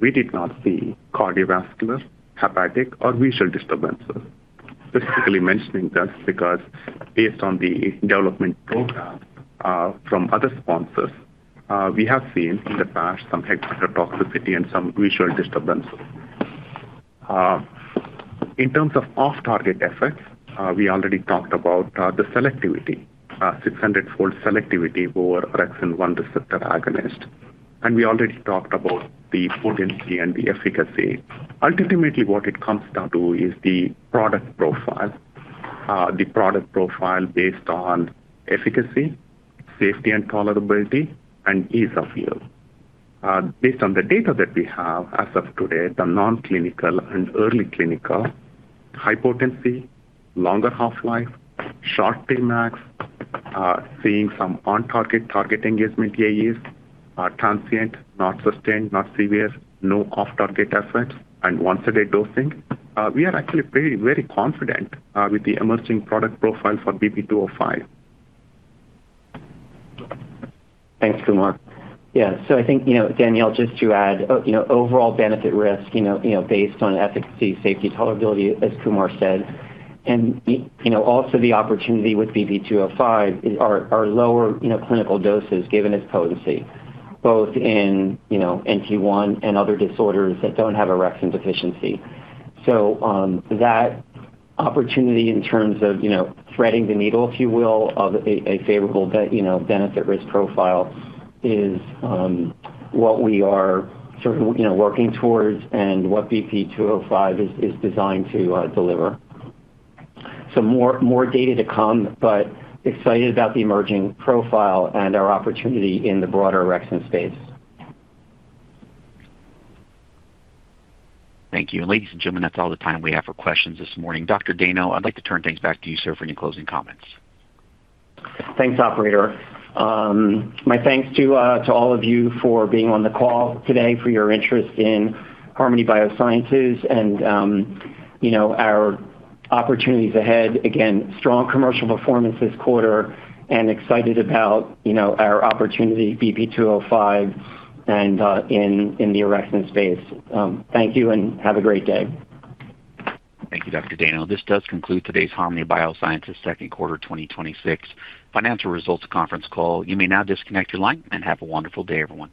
we did not see cardiovascular, hepatic, or visual disturbances. Specifically mentioning this because based on the development program from other sponsors, we have seen in the past some hepatotoxicity and some visual disturbances. In terms of off-target effects, we already talked about the selectivity, 600-fold selectivity over OX1 receptor agonist. We already talked about the potency and the efficacy. Ultimately, what it comes down to is the product profile. The product profile based on efficacy, safety, and tolerability, and ease of use. Based on the data that we have as of today, the non-clinical and early clinical, high potency, longer half-life, short Tmax, seeing some on-target, target engagement AEs are transient, not sustained, not severe, no off-target effects, and once-a-day dosing. We are actually very confident with the emerging product profile for BP-205. Thanks, Kumar. I think, Danielle, just to add, overall benefit risk, based on efficacy, safety, tolerability, as Kumar said, and also the opportunity with BP-205 are lower clinical doses given its potency, both in NT1 and other disorders that don't have orexin deficiency. That opportunity in terms of threading the needle, if you will, of a favorable benefit risk profile is what we are sort of working towards and what BP-205 is designed to deliver. More data to come, excited about the emerging profile and our opportunity in the broader orexin space. Thank you. Ladies and gentlemen, that's all the time we have for questions this morning. Dr. Dayno, I'd like to turn things back to you, sir, for any closing comments. Thanks, operator. My thanks to all of you for being on the call today, for your interest in Harmony Biosciences and our opportunities ahead. Strong commercial performance this quarter and excited about our opportunity BP-205 and in the orexin space. Thank you and have a great day. Thank you, Dr. Dayno. This does conclude today's Harmony Biosciences second quarter 2026 financial results conference call. You may now disconnect your line, have a wonderful day, everyone.